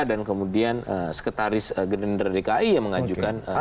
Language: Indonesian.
dan kemudian sekretaris gerindra dki yang mengajukan permohonan